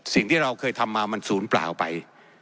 สิ่งที่เราเคยทำมามันศูนย์เปล่าไป